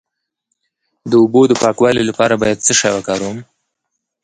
د اوبو د پاکوالي لپاره باید څه شی وکاروم؟